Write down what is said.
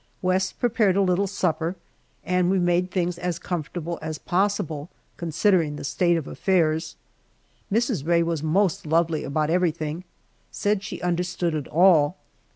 West prepared a little supper, and we made things as comfortable as possible, considering the state of affairs. Mrs. Rae was most lovely about everything said she understood it all.